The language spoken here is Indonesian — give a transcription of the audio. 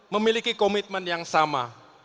memiliki komitmen yang sama